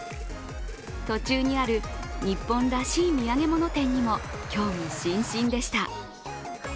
途中にある日本らしい土産物店にも興味津々でした。